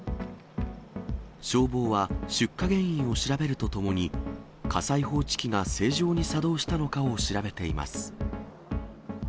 消防は出火原因を調べるとともに、火災報知機が正常に作動したのかを調べています。